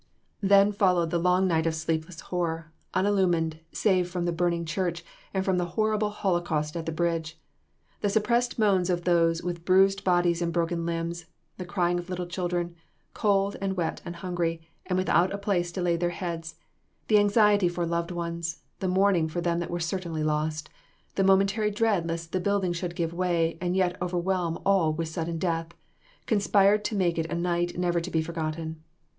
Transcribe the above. Then followed the long night of sleepless horror, unillumined, save from the burning church, and from the horrible holocaust at the bridge. The suppressed moans of those with bruised bodies and broken limbs, the crying of little children, cold and wet and hungry, and without a place to lay their heads, the anxiety for loved ones, the mourning for them that were certainly lost, the momentary dread lest the building should give way and yet overwhelm all with sudden death, conspired to make it a night never to be forgotten.